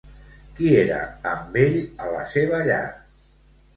Qui era amb ell a la seva llar?